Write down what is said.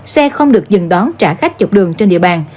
xe không được dừng đón trả khách chụp đường trên địa bàn